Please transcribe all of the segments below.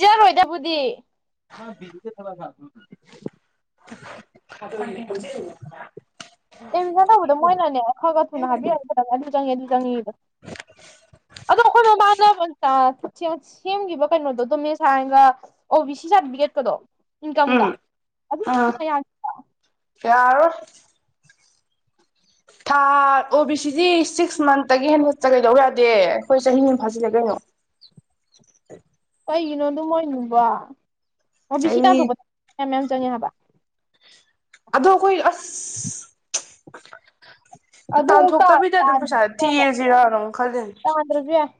ꯆꯔꯣꯏꯗꯕꯨꯗꯤ [unintelligible] [unintelligible] admission ꯇꯧꯕꯗꯣ ꯃꯣꯏꯅꯅꯦ ꯈꯔ ꯈꯔ ꯊꯨꯅ ꯌꯥꯔꯣꯏ ꯍꯥꯏꯕꯤꯔꯗꯤ ꯐꯗꯝꯅꯤ ꯑꯗꯨ ꯆꯪꯉꯤ ꯑꯗꯨ ꯆꯪꯉꯤꯗꯣ ꯑꯗꯣ ꯑꯩꯈꯣꯏ ꯃꯃꯥꯡꯗ [unintelligible] ꯁꯦꯝ ꯁꯦꯝꯒꯤꯕ ꯀꯩꯅꯣꯗꯣ ꯗꯨꯃꯦꯁꯥꯏꯟꯒ ꯑꯣ ꯕꯤ ꯁꯤ ꯁꯥꯔꯇꯤꯐꯤꯀꯦꯠꯀꯥꯗꯣ ꯏꯟꯀꯝꯒ ꯑꯗꯨ ꯁꯤꯖꯤꯟꯅ ꯌꯥ ꯌꯥꯔꯔꯣꯏ ꯊꯥ ꯑꯣ ꯕꯤ ꯁꯤ ꯗꯤ ꯁꯤꯛꯁ ꯃꯟꯇꯥꯒꯤ ꯍꯦꯟꯅ ꯀꯩꯗꯧ ꯌꯥꯗꯦ ꯑꯈꯣꯏ ꯆꯍꯤꯃꯥ ꯐꯥꯖꯤꯜꯂꯦ ꯀꯩꯅꯣ ꯀꯩꯒꯤꯅꯣ ꯑꯗꯨ ꯃꯣꯏꯅꯨꯕꯣ ꯑꯣ ꯕꯤ ꯆꯍꯤ ꯁꯤ ꯇꯥꯟꯊꯣꯛꯄ ꯃꯌꯥꯝ ꯃꯌꯥꯝ ꯆꯪꯉꯦ ꯍꯥꯏꯕ ꯑꯗꯣ ꯑꯈꯣꯏ ꯑꯁ ꯑꯗꯨ ꯑꯃꯨꯛ ꯇꯥꯟꯊꯣꯛꯇꯥꯕꯤꯗ ꯑꯗꯨꯝ ꯄꯩꯁꯥꯖꯦ ꯊꯤꯔꯖꯤꯔꯥꯅ ꯑꯃꯨꯛ ꯈꯜꯂꯤꯅꯤ ꯇꯥꯟꯗꯔꯖꯨ ꯌꯥꯏ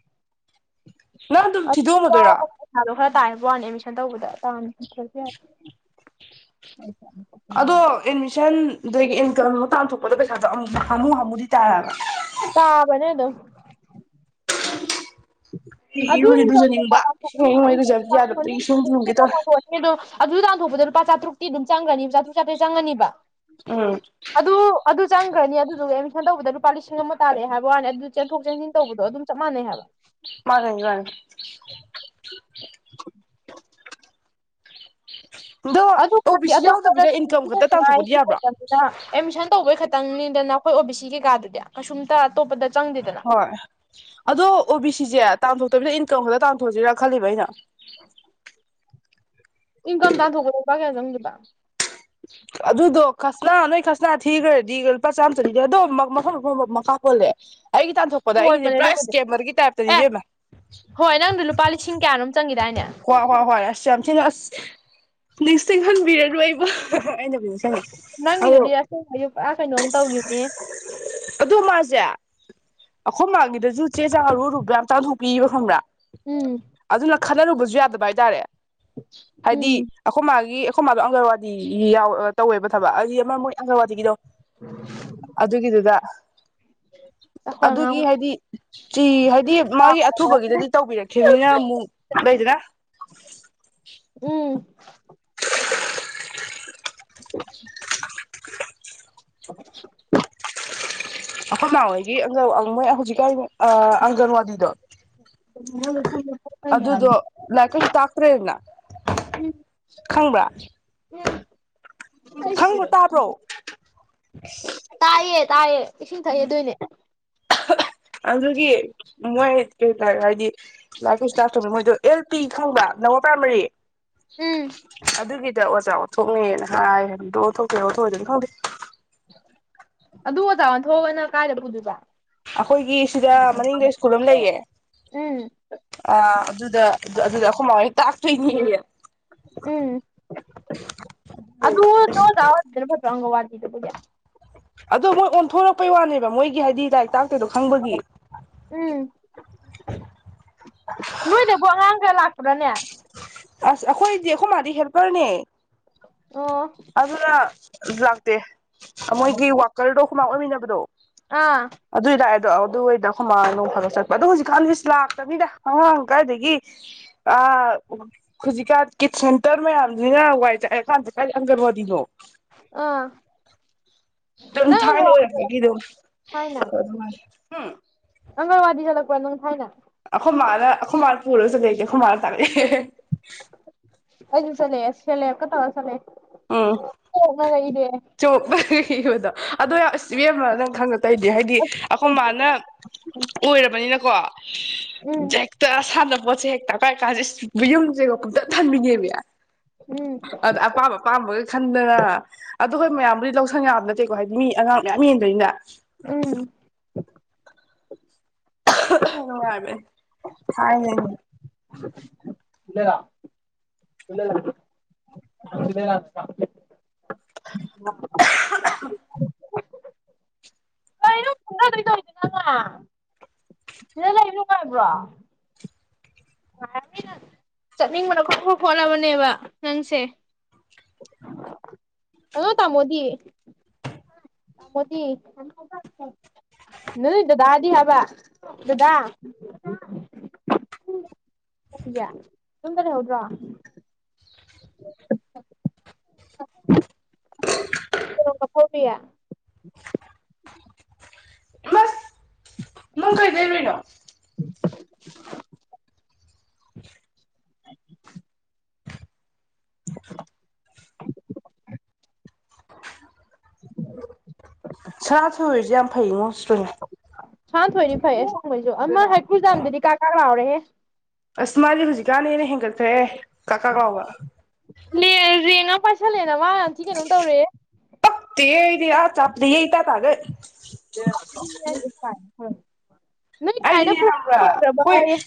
[unintelligible] ꯅꯪ ꯑꯗꯨꯝ ꯊꯤꯗꯣꯛꯑꯝꯃꯗꯣꯏꯔꯣ ꯄꯩꯁꯥꯗꯣ ꯈꯔ ꯇꯥꯏ ꯍꯥꯕꯋꯥꯅꯤ ꯑꯦꯗꯃꯤꯁꯟ ꯇꯧꯕꯗ ꯇꯥꯟꯗꯔꯖꯨ ꯌꯥꯏ [unintelligible] ꯑꯗꯣ ꯑꯦꯠꯃꯤꯁꯟ ꯑꯗꯒꯤ ꯏꯟꯀꯝ ꯇꯥꯟꯊꯣꯛꯄꯗꯣ ꯄꯩꯁꯥꯗꯨ ꯍꯥꯃꯨ ꯍꯥꯃꯨꯗꯤ ꯇꯥꯔꯕ ꯇꯥꯕꯅꯦ ꯑꯗꯨꯝ ꯑꯗꯨ ꯏꯔꯨꯗꯤ ꯏꯟꯀꯝ [unintelligible] ꯂꯨꯖꯅꯤꯡꯕ ꯏꯁꯤꯡ ꯑꯌꯤꯡꯕ ꯍꯦꯛ ꯂꯨꯖꯕꯗꯤ ꯌꯥꯗꯕꯗꯒꯤ ꯏꯁꯤꯡ ꯂꯨꯒꯦ ꯇꯧꯋꯦ ꯗꯣ ꯑꯗꯨ ꯇꯥꯟꯊꯣꯛꯄꯗ ꯂꯨꯄꯥ ꯆꯥꯇ꯭ꯔꯨꯛꯇꯤ ꯑꯗꯨꯝ ꯆꯪꯒ꯭ꯔꯅꯤꯕ ꯆꯥꯇ꯭ꯔꯨꯛ ꯆꯥꯇꯦꯠ ꯆꯪꯉꯅꯤꯕ ꯎꯝ ꯑꯗꯨ ꯑꯗꯨ ꯆꯪꯒ꯭ꯔꯅꯤ ꯑꯗꯨꯗꯨꯒ ꯑꯦꯠꯃꯤꯁꯟ ꯇꯧꯕꯗ ꯂꯨꯄꯥ ꯂꯤꯁꯤꯡ ꯑꯃ ꯇꯥꯔꯛꯑꯦ ꯍꯥꯏꯕ ꯋꯥꯅꯤ ꯑꯗꯨ ꯆꯦꯟꯊꯣꯛ ꯆꯦꯟꯁꯤꯟ ꯇꯧꯕꯗꯣ ꯑꯗꯨꯝ ꯆꯞ ꯃꯥꯟꯅꯩ ꯍꯥꯏꯕ ꯃꯥꯥꯅꯩ ꯃꯥꯅꯤ [unintelligible] ꯑꯗꯣ ꯑꯗꯨ ꯑꯣ ꯕꯤ ꯍꯥꯏꯗꯤ ꯁꯤ ꯑꯇꯣꯞꯄꯗ ꯌꯥꯎꯗꯕꯤꯗ ꯏꯟꯀꯝ ꯈꯛꯇ ꯁꯤꯖꯤꯟꯅꯤꯡꯉꯥꯏ ꯇꯥꯟꯊꯣꯛꯄꯗꯤ ꯖꯨ ꯌꯥꯕ꯭ꯔꯣ ꯂꯩꯇꯝꯅꯤꯅ ꯑꯦꯠꯃꯤꯁꯟ ꯇꯧꯕꯩ ꯈꯛꯇꯪꯅꯤꯗꯅ ꯑꯈꯣꯏ ꯑꯣ ꯕꯤ ꯁꯤ ꯀꯩꯀꯥꯗꯨꯗꯤ ꯀꯩꯁꯨꯝꯇꯥ ꯑꯇꯣꯞꯄꯗ ꯆꯪꯗꯦꯗꯅ ꯍꯣꯏ ꯑꯗꯣ ꯑꯣ ꯕꯤ ꯁꯤꯖꯦ ꯇꯥꯟꯊꯣꯛꯇꯥꯕꯤꯗ ꯏꯟꯀꯝ ꯈꯛꯇꯥ ꯇꯥꯟꯊꯣꯛꯑꯖꯤꯔꯥ ꯈꯜꯂꯤꯕ ꯑꯩꯅ ꯏꯟꯀꯝ ꯇꯥꯟꯊꯣꯛꯄꯗ ꯂꯨꯄꯥ ꯀꯌꯥ ꯆꯪꯗꯣꯏꯕ ꯑꯗꯨꯗꯣ ꯈꯁꯅꯥ ꯅꯣꯏ ꯈꯁꯅꯥ ꯊꯤꯒ꯭ꯔꯗꯤ ꯂꯨꯄꯥ ꯆꯥꯝꯃ ꯆꯅꯤꯗꯤ ꯑꯗꯣꯝ ꯃꯐꯝ ꯃꯐꯝ ꯃꯥ ꯃꯈꯥ ꯄꯣꯜꯂꯦ ꯑꯩꯒꯤ ꯇꯥꯟꯊꯣꯛꯄꯗꯥ ꯑꯩꯒꯤꯗꯤ ꯀꯣꯟꯕꯅꯦ ꯄꯨꯔꯥ ꯑꯗꯨꯕꯨꯗꯤ ꯁ꯭ꯀꯦꯃꯔꯒꯤ ꯇꯥꯏꯞꯇꯅꯤ ꯑꯦ ꯏꯕꯦꯝꯃ ꯆꯪꯉꯤꯗꯥꯏꯅꯦ ꯍꯣꯏ ꯍꯣꯏ ꯑꯁ ꯌꯥꯝ ꯊꯤꯅ ꯑꯁ ꯅꯤꯡꯁꯤꯡꯍꯟꯕꯤꯔꯅꯨ ꯑꯩꯕꯨ ꯑꯩꯅꯕꯨꯗꯤ ꯅꯤꯡꯁꯪꯉꯦ ꯅꯪꯒꯤꯗꯨꯗꯤ ꯑꯁ ꯑꯌꯨꯛ ꯄꯨꯔꯥ ꯀꯩꯅꯣꯝꯅꯤ ꯑꯗꯨ ꯃꯥꯖꯦ ꯑꯈꯣꯏ ꯃꯥꯥꯒꯤꯗꯥꯖꯨ ꯆꯦ ꯆꯥꯡ ꯑꯔꯨꯔꯨꯕ ꯌꯥꯝ ꯇꯥꯟꯊꯣꯛꯄꯤꯕ ꯈꯪꯕ꯭ꯔꯥ ꯎꯝ ꯑꯗꯨꯅ ꯈꯠꯅꯔꯨꯕꯖꯨ ꯌꯥꯗꯕ ꯍꯥꯏꯇꯥꯔꯦ ꯍꯥꯏꯗꯤ ꯎꯝ ꯑꯈꯣꯏ ꯃꯥꯒꯤ ꯑꯈꯣꯏ ꯃꯥꯗꯣ ꯑꯪꯒꯔꯋꯥꯗꯤꯒꯤ ꯌꯥꯎ ꯑꯥ ꯇꯧꯋꯦꯕ ꯊꯕꯛ ꯍꯥꯏꯗꯤ ꯑꯃ ꯃꯣꯏ ꯑꯪꯒꯔꯋꯥꯗꯤꯒꯤꯗꯣ ꯑꯗꯨꯒꯤꯗꯨꯗꯥ ꯑꯩꯈꯣꯏ ꯑꯉꯥꯡ ꯑꯗꯨꯒꯤ ꯍꯥꯏꯗꯤ ꯆꯤ ꯍꯥꯏꯗꯤ ꯃꯥꯒꯤ ꯑꯊꯨꯕꯒꯤꯗꯥꯗꯤ ꯇꯧꯕꯤꯔꯛ ꯈꯤꯃꯤꯅ ꯑꯃꯨꯛ ꯂꯩꯗꯅꯥ ꯎꯝ [unintelligible] ꯑꯈꯣꯏ ꯃꯥꯍꯣꯏꯒꯤ ꯑꯪꯒꯟ ꯑꯥ ꯃꯣꯏ ꯍꯧꯖꯤꯛꯀꯥꯟ ꯑꯥ ꯑꯪꯒꯟꯋꯥꯗꯤꯗꯣ ꯑꯗꯨꯗꯣ ꯂꯥꯏꯔꯤꯛ ꯀꯩꯖꯨ ꯇꯥꯛꯇ꯭ꯔꯦꯅ ꯈꯪꯕ꯭ꯔꯥ ꯈꯪꯕ꯭ꯔꯣ ꯑꯩꯁꯤꯔꯣ ꯇꯥꯕ꯭ꯔꯣ ꯇꯥꯏꯌꯦ ꯇꯥꯏꯌꯦ ꯏꯁꯤꯡ ꯊꯛꯏ ꯑꯗꯨꯏꯅꯦ ꯑꯗꯨꯒꯤ ꯃꯣꯏ ꯀꯩꯇꯥꯔꯦ ꯍꯥꯏꯗꯤ ꯂꯥꯏꯔꯤꯛ ꯀꯩꯁꯨ ꯇꯥꯛꯇ꯭ꯔꯥꯃꯦ ꯃꯣꯏꯗꯣ ꯑꯦꯜ ꯄꯤ ꯈꯪꯕ꯭ꯔꯥ ꯂꯥꯋꯔ ꯄ꯭ꯔꯥꯏꯃꯔꯤ ꯎꯝ ꯑꯗꯨꯒꯤꯗꯥ ꯑꯣꯖꯥ ꯑꯣꯟꯊꯣꯛꯅꯤꯅ ꯍꯥꯏ ꯍꯥꯏꯕ ꯗꯣ ꯑꯣꯟꯊꯣꯛꯇꯣꯏꯔꯥ ꯑꯣꯟꯊꯣꯛꯑꯣꯏꯗꯣꯏꯔꯥꯗꯤ ꯈꯪꯗꯦ ꯑꯗꯨ ꯑꯣꯖꯥ ꯑꯣꯟꯊꯣꯛꯑꯒꯥꯅ ꯀꯥꯏꯗꯥ ꯄꯨꯗꯣꯏꯕ ꯑꯈꯣꯏꯒꯤ ꯁꯤꯗꯥ ꯃꯅꯤꯡꯗꯥ ꯁ꯭ꯀꯨꯜ ꯑꯃ ꯂꯩꯌꯦ ꯎꯝ ꯑꯥ ꯑꯗꯨꯗꯥ ꯑꯗꯨꯗꯥ ꯑꯈꯣꯏ ꯃꯥꯍꯣꯏ ꯇꯥꯛꯇꯣꯏꯅꯤꯌꯦ ꯎꯝ ꯑꯗꯨ ꯇꯣ ꯑꯣꯖꯥ ꯑꯣꯏꯕꯗꯨꯅ ꯐꯠꯇ꯭ꯔꯣ ꯑꯪꯒꯟꯋꯥꯗꯤꯗꯨꯕꯨꯗꯤ ꯑꯗꯣ ꯃꯣꯏ ꯑꯣꯟꯊꯣꯔꯛꯄꯩ ꯋꯥꯅꯦꯕ ꯃꯣꯏꯒꯤ ꯍꯥꯏꯗꯤ ꯂꯥꯏꯔꯤꯛ ꯇꯥꯛꯇꯣꯏꯗꯣ ꯈꯪꯕꯒꯤ꯫ ꯎꯝ ꯅꯣꯏꯗꯕꯨ ꯑꯉꯥꯡ ꯀꯌꯥ ꯂꯥꯛꯄ꯭ꯔꯅꯦ꯫ ꯑꯁ ꯑꯈꯣꯏꯗꯤ ꯑꯈꯣꯏ ꯃꯥꯗꯤ ꯍꯦꯜꯄꯔꯅꯦ꯫ ꯑꯣ ꯑꯗꯨꯅ ꯂꯥꯛꯇꯦ ꯑ ꯃꯣꯏꯒꯤ ꯋꯥꯀꯔꯗꯣ ꯑꯈꯣꯏꯃꯥ ꯑꯣꯏꯃꯤꯟꯅꯕꯗꯣ ꯑꯥ ꯑꯗꯨꯏ ꯂꯥꯛ ꯑꯗꯣ ꯑꯗꯨꯍꯣꯏꯗ ꯑꯈꯣꯏꯃꯥ ꯅꯣꯡꯐꯗꯣꯛ ꯆꯠꯄ ꯑꯗꯣ ꯍꯨꯖꯤꯛꯀꯥꯟꯗꯤ ꯏꯁ ꯂꯥꯛꯇꯃꯤꯗ ꯑꯉꯥꯡ ꯀꯗꯥꯥꯏꯗꯒꯤ ꯑꯥ ꯍꯨꯖꯤꯛꯀꯥꯟ ꯀꯤꯠ ꯁꯦꯟꯇꯔ ꯃꯌꯥꯝꯖꯤꯅ ꯋꯥꯏ ꯆꯥꯏꯔꯀꯥꯟꯖꯤꯗ꯫ ꯑꯪꯒꯜꯋꯥꯗꯤꯅꯣ ꯑꯥ ꯑꯗꯨꯝ ꯅꯪ ꯊꯥꯏꯅ ꯑꯪꯒꯜꯋꯥꯗꯤ ꯑꯣꯏꯔꯛꯄꯒꯤ ꯑꯗꯨꯝ ꯇꯥꯝꯃꯥꯛꯇꯔꫭ ꯊꯥꯏꯅ ꯑꯗꯨꯃꯥꯏꯅ ꯎꯝ ꯑꯪꯒꯜꯋꯥꯗꯤ ꯆꯠꯂꯛꯄ꯭ꯔ ꯅꯪ ꯊꯥꯏꯅ꯫ ꯑꯈꯣꯏꯃꯥꯅ ꯑꯈꯣꯏꯃꯥꯅ ꯄꯨꯔꯒ ꯆꯠꯂꯛꯑꯦ ꯑꯩꯗꯤ ꯑꯈꯣꯏ ꯃꯥꯅ ꯇꯥꯛꯂꯛꯑꯦ꯫ ꯑꯩꯖꯨ ꯆꯠꯂꯦꯑꯦ ꯁꯦꯂꯦꯞꯀ ꯇꯧꯔ ꯆꯠꯂꯥꯛꯑꯦ꯫ ꯎꯝ ꯆꯣꯛꯅꯒ ꯏꯕꯗꯣ ꯑꯗꯣ ꯌꯥ ꯑꯁ ꯏꯕꯦꯝꯃ ꯅꯪ ꯈꯪꯗ ꯇꯩꯗꯦ ꯍꯥꯏꯗꯤ ꯑꯈꯣꯏ ꯏꯔꯛꯑꯦ ꯃꯥꯅ ꯑꯣꯏꯔꯕꯅꯤꯅꯀꯣ ꯎꯝ [unintelligible] ꯇ ꯁꯥꯟꯅꯄꯣꯠꯁꯦ ꯍꯦꯛ ꯀꯥ-ꯀꯥꯗꯥ ꯏꯁ ꯌꯨꯝꯁꯦꯒ ꯄꯨꯡꯊꯥꯟ ꯊꯥꯟꯕꯤꯅꯦꯃꯦ꯫ ꯎꯝ ꯑꯥꯗ ꯑꯄꯥꯝꯕ ꯑꯄꯥꯝꯕꯒ ꯈꯟꯗꯅ ꯑꯗꯨꯒ ꯃꯌꯥꯝꯕꯨꯗꯤ ꯂꯧꯁꯪ ꯌꯥꯝꯕ ꯅꯠꯇꯦꯀꯣ ꯍꯥꯏꯗꯤ ꯃꯤ ꯑꯉꯥꯡ ꯃꯌꯥꯝ ꯌꯦꯟꯗꯣꯏꯅ ꯎꯝ [unintelligible] ꯅꯨꯡꯉꯥꯏꯕꯅꯤ ꯊꯥꯏꯅꯩꯅ [unintelligible] [unintelligible] ꯀꯩꯅꫭ ꯀꯨꯝꯗꯗꯣꯏ ꯇꯧꯏꯁꯦ ꯅꯪꯅ ꯁꯤꯗ ꯂꯩꯕ ꯅꯨꯡꯉꯥꯏꯕ꯭ꯔꯣ꯫ ꯅꯨꯡꯉꯥꯏꯔꯝꯅꯤ ꯅꯪ ꯆꯠꯅꯤꯡꯕꯅ ꯈ꯭ꯔꯣ-ꯈ꯭ꯔꯣ ꯈꯣꯠꯂꯕꯅꯦꯕ ꯅꯪꯁꯦ꯫ ꯑꯗꯣ ꯇꯥꯃꯣꯗꯤ ꯇꯥꯃꯣꯗꯤ [unintelligible] ꯅꯣꯏ ꯗꯗꯥꯗꯤ ꯍꯥꯕ ꯗꯗꯥ [unintelligible] ꯌꯨꯝꯗ ꯂꯩꯍꯧꯗ꯭ꯔꯣ꯫ ꯀꯦꯔꯣꯝꯀꯐꯥꯎꯔꯤꯌꯦ ꯏꯃꯁ ꯅꯪ ꯀꯩ ꯂꯩꯔꯨꯏꯅꯣ [inaudible] [inaudible] [inaudible] ꯁꯥ ꯁꯣꯏꯔꯤꯁꯦ ꯌꯥꯝ ꯐꯩꯉꯣ ꯏꯁꯇ꯭ꯔꯤꯡ ꯁꯥꯥꯟꯊꯣꯏꯗꯤ ꯐꯩꯌꯦ ꯑꯁꯦꯡꯕꯩꯖꯨ ꯑꯃ ꯍꯩꯀ꯭ꯔꯨꯖꯥꯝꯗꯗꯤ ꯀꯥꯛ ꯀꯥꯛ ꯂꯥꯎꯔꯦꯍꯦ꯫ ꯑꯁ ꯃꯥꯗꯤ ꯍꯨꯖꯤꯛꯀꯥꯟꯅ ꯍꯦꯟꯅ ꯍꯦꯟꯒꯠꯈ꯭ꯔꯦꯍꯦ ꯀꯥꯛꯀꯥꯛ ꯂꯥꯎꯕ꯫ ꯂꯦꯔꯦꯡꯉꯥ ꯄꯥꯏꯁꯜꯂꯦꯅ ꯃꯥ ꯌꯥꯝ ꯊꯤꯅ ꯀꯩꯅꯣꯝ ꯇꯧꯔꯦ꯫ ꯄꯛꯇꯦꯍꯦ ꯑꯩꯗꯤ ꯑ ꯆꯞꯄ꯭ꯔꯤ ꯌꯦ ꯏꯇ ꯇꯒꯩ꯫ [unintelligible] ꯑꯗꯨꯅꯦ ꯍꯥꯏꯁꯦ [unintelligible] ꯑꯩꯗꯤꯅꯦ ꯈꯪꯕ꯭ꯔ ꯍꯣꯏ ꯂꯣꯏꯒ꯭ꯔꯕꯣꯌꯦ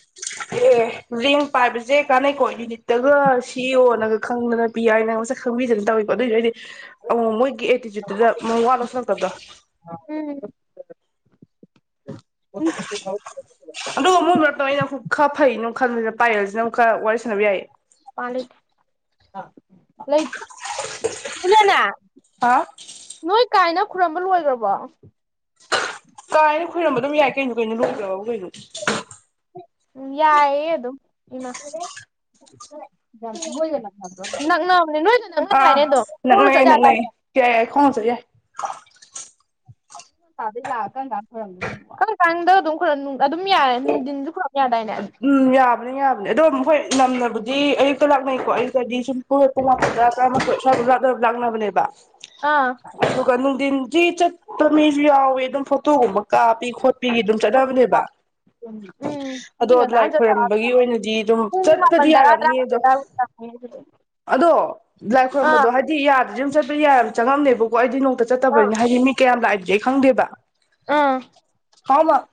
ꯑꯦ ꯔꯤꯡ ꯄꯥꯏꯕꯁꯦ ꯀꯥꯟꯅꯩꯀꯣ ꯌꯨꯅꯤꯠꯇꯒ ꯁꯤ ꯏ ꯑꫭ ꯅꯒ ꯈꯪꯗꯅ ꯄꯤ ꯑꯥꯏ ꯅ ꯃꯁꯛ ꯈꯪꯕꯤꯗꯅ ꯇꯧꯋꯤꯕ ꯑꯗꯨꯏꯖꯨ ꯑꯩꯗꯤ ꯑꯃꯨ ꯃꯨꯛ ꯃꯣꯏꯒꯤ ꯑꯦꯇꯤꯆꯨꯠꯇꯨꯗ ꯃꯋꯥ ꯂꯧꯁꯤꯜꯂꯛꯇꯕꯗꯣ꯫ ꯎꯝ [unintelligible] ꯑꯗꯨꯒ ꯃꯣꯏ ꯃꯔꯛꯇ ꯑꯩꯅ ꯑꯃꯨꯛ ꯈꯔ ꯐꯩꯩꯅꯅ ꯈꯟꯅ ꯄꯥꯏꯌꯦꯜꯁꯤꯅ ꯑꯃꯨꯛ ꯈꯔ ꯋꯥꯔꯤ ꯁꯥꯟꯅꯕ ꯌꯥꯏꯌꯦ꯫ [unintelligible] ꯂꯩ ꯄꯨꯜꯂꯦꯅ ꯍꯥꯎ ꯅꯣꯏ ꯀꯥꯏꯅ ꯈꯨꯔꯝꯕ ꯂꯣꯏꯒ꯭ꯔꯕꯣ꯫ ꯀꯥꯏꯅ ꯈꯣꯏꯔꯝꯕ ꯑꯗꯨꯝ ꯌꯥꯏ ꯀꯩꯅꯣ ꯀꯩꯅꯣ ꯂꯣꯏꯒ꯭ꯔꯕꯕꯨ ꯀꯩꯅꯣ꯫ ꯎꯝ ꯌꯥꯏ ꯌꯦ ꯑꯗꯨꯝ ꯏꯃꯥ [unintelligible] ꯅꯛꯅꯕꯅꯦ ꯅꯣꯏꯒ ꯅꯛꯅ ꯑꯥ ꯗꯥꯏꯅꯦ ꯑꯗꯨꯝ ꯈꯣꯡꯅꯆꯠ ꯅꯛꯅꯩꯌꯦ ꯌꯥꯗꯥꯏꯅꯦ ꯅꯛꯅꯩꯌꯦ ꯌꯥꯏ ꯌꯥꯏ ꯈꯣꯡꯅ ꯆꯠ ꯌꯥꯏ ꯀꯝꯀꯥꯟꯗꯩꯩ ꯂꯥꯛꯑ ꯀꯝꯀꯥꯟ ꯈꯨꯔꯝꯗꯣꯏꯅꯣ ꯑꯗꯨꯕꯣ ꯀꯝꯀꯥꯟꯗ ꯑꯗꯨꯝ ꯈꯨꯔꯝ ꯅꯨꯡ ꯑꯗꯨꯝ ꯌꯥꯔꯦ ꯅꯨꯡꯗꯤꯟꯖꯨ ꯈꯨꯔꯝ ꯌꯥꯗꯥꯏꯅꯦ ꯎꯝ ꯌꯥꯕꯅꯦ ꯌꯥꯕꯅꯦ ꯑꯗꯣ ꯃꯍꯣꯏ ꯅꯝꯅꯕꯨꯗꯤ ꯑꯌꯨꯛꯇ ꯂꯥꯛꯅꯩꯀꯣ ꯑꯌꯨꯛꯇꯗꯤ ꯁꯨꯝ ꯍꯣꯏ ꯄꯨꯡ ꯃꯥꯄꯟ ꯇꯔꯥ ꯇ꯭ꯔꯥꯃꯥꯊꯣꯏ ꯁ꯭ꯋꯥꯏꯗꯨꯝ ꯂꯥꯛꯅ ꯂꯥꯛꯅꯕꯅꯦꯕ ꯑꯥ ꯑꯗꯨꯒ ꯅꯨꯡꯊꯤꯟꯖꯤ ꯆꯠꯄ ꯃꯤꯖꯨ ꯌꯥꯎꯋꯦ ꯑꯗꯨꯝ ꯐꯣꯇꯣꯒꯨꯝꯕ ꯀꯥꯞꯄꯤ ꯈꯣꯠꯄꯤꯒꯤ ꯑꯗꯨꯝ ꯆꯠꯅꯕꯅꯦꯕ ꯎꯝ ꯃꯤ ꯑꯗꯣ ꯂꯥꯏ ꯉꯟꯇꯥꯅ ꯆꯠ ꯇꯥꯕ ꯈꯣꯏꯔꯝꯕꯒꯤ ꯑꯗꯨꯗꯤ ꯑꯣꯏꯅꯗꯤ ꯑꯗꯨꯝ ꯄꯨꯡ ꯃꯥꯄꯟ ꯆꯠꯄꯗꯤ ꯇꯔꯥ ꯌꯥꯔꯝꯅꯤ ꯇꯔꯥꯃꯥꯊꯣꯏ ꯑꯗꯣ ꯑꯗꯥꯏꯕꯧ ꯆꯪꯉꯦ ꯑꯗꯨꯗꯤ ꯑꯗꯣ ꯂꯥꯏ ꯑꯥ ꯈꯣꯏꯔꯝꯕꯗꯣ ꯍꯥꯏꯗꯤ ꯌꯥꯗ꯭ꯔꯤꯝ ꯆꯠꯄ ꯌꯥꯏ ꯆꯪꯉꯝꯗꯦꯕꯀꯣ ꯑꯩꯗꯤ ꯅꯣꯡꯇ ꯑꯥ ꯆꯠꯇꯕꯅꯤꯅ ꯍꯥꯏꯗꯤ ꯃꯤ ꯀꯌꯥꯝ ꯂꯥꯛꯏꯗꯤ ꯑꯩ ꯈꯪꯗꯦꯕ ꯑꯥ ꯍꯥꯎꯃ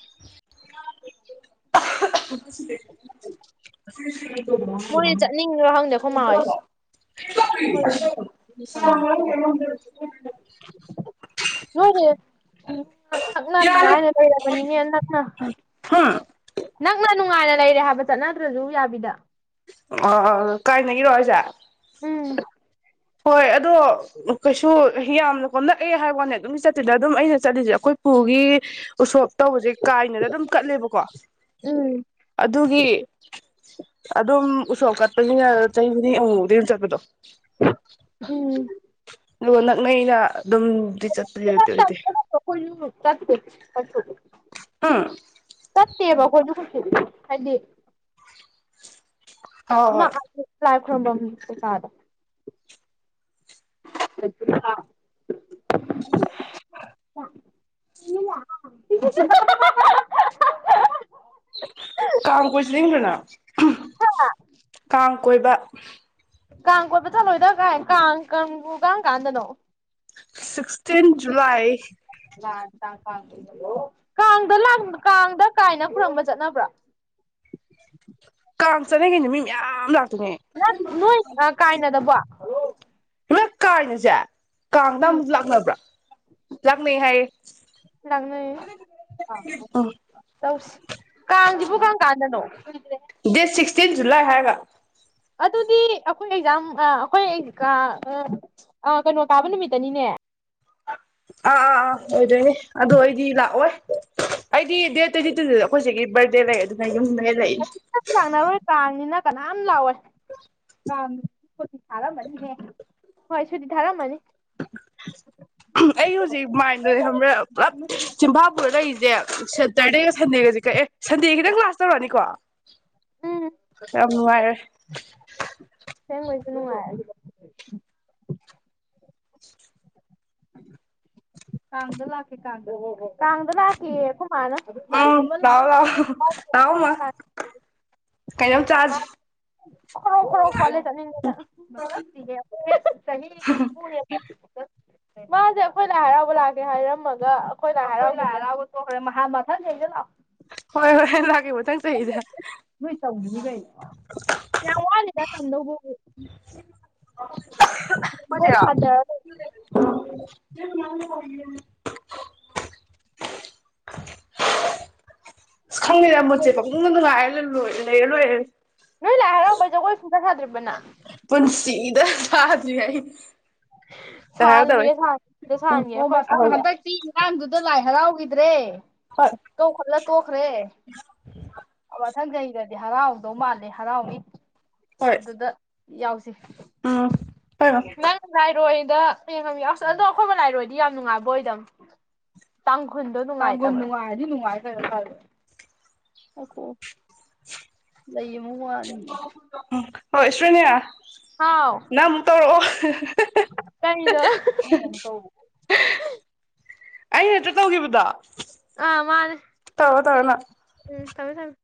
ꯃꯣꯏꯅ ꯆꯠꯅꯤꯡꯕ꯭ꯔꯥ ꯈꯪꯗꯦ ꯑꯩꯈꯣꯏ ꯃꯥ ꯍꯣꯏꯁꯦ [inaudible] [inaudible] ꯅꯣꯔꯤ [unintelligible] ꯕꯅꯤꯅꯦ ꯅꯛꯅ ꯍꯝ ꯅꯛꯅ ꯅꯨꯡꯉꯥꯏꯅ ꯂꯩꯔꯦ ꯍꯥꯏꯕ ꯆꯠꯅꯗ꯭ꯔꯁꯨ ꯌꯥꯕꯤꯗ꯫ ꯑ ꯑ ꯑ ꯑ ꯀꯥꯏꯅꯒꯤꯔꯣ ꯑꯩꯖꯦ ꯎꯝ ꯍꯣꯏ ꯑꯗꯣ ꯀꯩꯁꯨ ꯌꯥꯝꯅ ꯀꯣꯝ ꯅꯛꯑꯦ ꯍꯥꯏꯕ ꯋꯥꯅꯦ ꯑꯗꯨꯝ ꯆꯠꯇꯦꯗ ꯑꯗꯨꯝ ꯑꯩꯅ ꯆꯠꯂꯤꯖꯦ ꯑꯩꯈꯣꯏ ꯄꯨꯒꯤ ꯎꯁꯣꯞ ꯇꯧꯕꯁꯦ ꯀꯥꯏꯅꯗ ꯑꯗꯨꯝ ꯀꯠꯂꯦꯕꯀꯣ ꯎꯝ ꯑꯗꯨꯒꯤ ꯑꯗꯨꯝ ꯎꯁꯣꯞ ꯀꯠꯄꯅꯤꯅ ꯆꯍꯤ ꯈꯨꯗꯤꯡꯒꯤ ꯑꯃꯨ ꯃꯨꯛꯇꯤ ꯑꯗꯨꯝ ꯆꯠꯄꯗꯣ ꯎꯝ ꯂꯣ ꯅꯛꯅꯩꯅ ꯑꯗꯨꯝꯗꯤ ꯆꯠꯄ [unintelligible] ꯑꯣꯏꯗꯦ ꯑꯩꯈꯣꯏꯁꯨ [unintelligible] ꯆꯠꯇꯦ ꯆꯠꯄꯨꯗꯤ ꯑꯝ ꯆꯠꯇꯦꯕ ꯑꯩꯈꯣꯏꯁꯨ ꯀꯩꯁꯨ ꯍꯥꯏꯗꯤ ꯍꯣꯏ ꯍꯣꯏ ꯅꯛꯑꯁꯨ ꯂꯥꯏ ꯈꯨꯔꯨꯝꯕꯝ ꯀꯩ ꯀꯥꯗꯣ [unintelligible] [inaudible] [unintelligible] ꯀꯥꯡ ꯀꯣꯏ ꯆꯠꯅꯤꯡꯗ꯭ꯔꯣ ꯅꯪ [unintelligible] ꯀꯥꯡ ꯀꯣꯏꯕ ꯀꯥꯡ ꯀꯣꯏꯕ ꯆꯠꯂꯣꯏꯗ ꯀꯥꯏ ꯀꯥꯡ ꯀꯥꯡꯕꯨ ꯀꯔꯝꯀꯥꯟꯗꯅꯣ ꯁꯤꯛꯁꯇꯤꯟ ꯖꯨꯂꯥꯏ [unintelligible] ꯀꯥꯡꯗ ꯂꯥꯏ ꯀꯥꯡꯗ ꯀꯥꯏꯅ ꯈꯨꯔꯨꯝꯕ ꯆꯠꯅꯕ꯭ꯔꯣ ꯀꯥꯡ ꯆꯠꯅꯩ‌ ꯀꯩꯅꯣ ꯃꯤ ꯃꯌꯥꯝ ꯂꯥꯛꯇꯣꯏꯅꯦ ꯅꯠ ꯅꯣꯏ ꯑꯥ ꯀꯥꯏꯅꯗꯕꯣ [unintelligible] ꯀꯥꯏꯅꯖꯦ ꯀꯥꯡꯗ ꯎꯝ ꯑꯃꯨꯛ ꯂꯥꯛꯅꯕ꯭ꯔꯣ ꯂꯥꯛꯅꯩ ꯍꯥꯏꯌꯦ ꯂꯥꯛꯅꯩꯌꯦ ꯎꯝ [unintelligible] ꯇꯧꯁꯤ ꯀꯥꯡꯁꯤꯕꯨ ꯀꯔꯝ ꯀꯥꯟꯗꯅꯣ ꯗꯦꯠ ꯁꯤꯛꯁꯇꯤꯟ ꯖꯨꯂꯥꯏ ꯍꯥꯏꯔꯒ ꯑꯗꯨꯗꯤ ꯑꯩꯈꯣꯏ ꯑꯦꯛꯖꯥꯝ ꯑꯥ ꯑꯩꯈꯣꯏ ꯑꯦ ꯀꯥ ꯑ ꯑ ꯀꯩꯅꯣ ꯀꯥꯕ ꯅꯨꯃꯤꯠꯇꯅꯤꯅꯦ ꯑꯥ ꯑꯥ ꯑꯥ ꯑꯣꯏꯗꯣꯏꯅꯦ ꯑꯗꯣ ꯑꯩꯗꯤ ꯂꯥꯛꯑꯣꯏ ꯑꯩꯗꯤ ꯗꯦꯠ ꯇ꯭ꯋꯦꯟꯇꯤ ꯇꯨꯗꯨꯖꯨ ꯑꯩꯈꯣꯏ ꯆꯦꯒꯤ ꯕꯥꯔꯗꯦ ꯂꯩ ꯑꯗꯨꯅ ꯌꯨꯝꯗꯅꯦ ꯂꯩ [unintelligible] ꯂꯥꯛꯅꯔꯣꯏ ꯀꯥꯡꯅꯤꯅꯥ ꯀꯅꯥꯝ ꯂꯥꯛꯑꯣꯏ ꯀꯥꯡ ‌ꯁꯨꯇꯤ ꯊꯥꯔꯝꯃꯅꯤꯍꯦ ꯍꯣꯏ ꯁꯨꯇꯤ ꯊꯥꯔꯝꯃꯅꯤ [unintelligible] ꯑꯩ ꯍꯧꯖꯤꯛ ꯃꯥꯏꯟꯗꯅꯦ ꯈꯪꯕ꯭ꯔꯥ ꯄꯨꯂꯞ ꯆꯤꯝꯐꯥ ꯄꯨꯔꯥ ꯂꯩꯔꯤꯁꯦ ꯁꯦꯇꯔꯗꯦꯒ ꯁꯟꯗꯦꯒꯁꯦ ꯀꯛꯑꯦ ꯁꯟꯗꯦ ꯈꯤꯇꯪ ꯀ꯭ꯂꯥꯁ ꯇꯧꯔꯅꯤꯀꯣ ꯌꯥꯝ ꯅꯨꯡꯉꯥꯏꯔꯦ ꯑꯁꯦꯡꯕꯩꯁꯨ ꯅꯨꯡꯉꯥꯏꯔꯤ ꯀꯥꯡꯗ ꯂꯥꯛꯀꯦ ꯀꯥꯡꯗ ꯍꯣ ꯍꯣ ꯍꯣ ꯀꯥꯡꯗ ꯂꯥꯛꯀꯦꯌꯦ ꯑꯈꯣꯏ ꯃꯥꯅ [unintelligible] ꯂꯥꯏ ꯎꯝ ꯈꯨꯔꯨꯝꯕ ꯂꯥꯛ ꯂꯥꯛꯑꯣ ꯂꯥꯛꯑꯣ ꯂꯥꯛꯑꯣ ꯃꯥ [unintelligible] ꯀꯩꯅꯣꯝ ꯆꯥꯖꯤ ꯈ꯭ꯔꯣ ꯈ꯭ꯔꯣ ꯈꯣꯠꯂꯦ ꯆꯠꯅꯤꯡꯕꯅ [unintelligible] [unintelligible] [inaudible] ꯃꯥꯁꯦ ꯑꯩꯈꯣꯏ ꯂꯥꯏ ꯍꯔꯥꯎꯕ ꯂꯥꯛꯀꯦ ꯍꯥꯏꯔꯝꯃꯒ ꯑꯩꯈꯣꯏ ꯂꯥꯏ ꯍꯥꯏꯔꯥꯎ [unintelligible] ꯇꯣꯛꯈ꯭ꯔꯦ ꯃꯍꯥ ꯃꯊꯪ ꯆꯍꯤꯗ ꯂꯥꯛꯑꯣ ꯍꯣꯏ ꯍꯣꯏ ꯂꯥꯛꯀꯦ ꯃꯊꯪ ꯆꯍꯤꯗ ꯃꯣꯏ ꯇꯝꯒꯤꯅꯤ ꯀꯩꯅꯣ ꯌꯥꯝ ꯋꯥꯠꯂꯤꯗ ꯇꯝꯗꯧꯕꯕꯨ [unintelligible] [unintelligible] [unintelligible] ꯖꯒꯣꯏ ꯁꯥꯗꯔ ꯑꯁ ꯈꯪꯉꯦꯗ ꯃꯨꯠꯁꯦ ꯄꯪꯅꯨꯡꯗ ꯅꯨꯡꯉꯥꯏꯔ ꯂꯣꯏ ꯂꯩꯔ ꯂꯣꯏꯔꯦ ꯅꯣꯏ ꯂꯥꯏ ꯍꯔꯥꯎꯕꯩ ꯖꯒꯣꯏ ꯁꯨꯡꯁꯥ ꯁꯥꯗ꯭ꯔꯤꯕꯅ ꯄꯨꯟꯁꯤꯗ ꯁꯥꯗ꯭ꯔꯤ ꯑꯩ ꯇꯧꯔꯦ ꯎꯝ [unintelligible] ꯑꯍꯣꯏꯕ ꯍꯟꯇꯛꯇꯤ [unintelligible] ꯗꯨꯗ ꯂꯥꯏ ꯍꯔꯥꯎꯒꯤꯗ꯭ꯔꯦ ꯍꯣꯏ ꯏꯀꯧꯈꯠꯂ ꯇꯣꯛꯈ꯭ꯔꯦ ꯑ ꯃꯊꯪ ꯆꯍꯤꯗ ꯗꯤ ꯍꯔꯥꯎꯗꯧ ꯃꯥꯜꯂꯦ ꯍꯔꯥꯎꯅꯤ ꯑꯗꯨꯗ ꯌꯥꯎꯁꯤ ꯑꯥ ꯍꯣꯏ ꯅꯪ ꯂꯥꯏꯔꯣꯏꯗ [unintelligible] ꯌꯥꯎꯁ ꯑꯗꯣ ꯑꯩꯈꯣꯏ ꯂꯥꯏꯔꯣꯏꯗꯤ ꯌꯥꯝ ꯅꯨꯡꯉꯥꯏꯕ ꯑꯣꯏꯗꯝ ꯇꯥꯡꯈꯨꯜꯗꯣ ꯅꯨꯡꯉꯥꯏꯇꯥꯕꯥ ꯇꯥꯡꯈꯨꯜ ꯅꯨꯡꯉꯥꯏꯔꯗꯤ ꯅꯨꯡꯉꯥꯏ ꯀꯩꯅꯣ [unintelligible] [unintelligible] ꯂꯩ ꯑꯃꯨꯛ ꯋꯥꯠꯂꯤ ꯍꯣꯏ ꯏꯁꯣꯔꯅꯤꯌꯥ ꯍꯥꯎ ꯅꯪ ꯑꯃꯨꯛ ꯇꯧꯔꯛꯑꯣ [unintelligible] ꯀꯩꯩꯅꯣ [unintelligible] ꯅꯪ ꯑꯃꯨꯛ ꯇꯧꯔꯛꯑꯣ ꯑꯩ ꯅꯠꯇ꯭ꯔ ꯇꯧꯒꯤꯕꯗꯣ ꯑꯥ ꯃꯥꯅꯦ ꯇꯧꯔꯣ ꯇꯧꯔꯣ ꯅꯪ ꯎꯝ ꯊꯝꯃꯦ ꯊꯝꯃꯦ